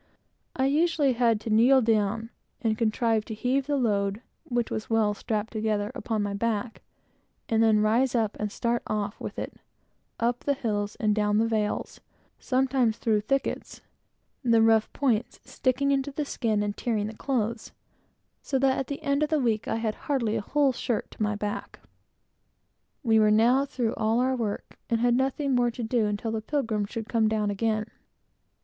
I usually had to kneel down and contrive to heave the load, which was well strapped together, upon my back, and then rise up and start off with it up the hills and down the vales, sometimes through thickets, the rough points sticking into the skin, and tearing the clothes, so that, at the end of the week, I had hardly a whole shirt to my back. We were now through all our work, and had nothing more to do until the Pilgrim should come down again.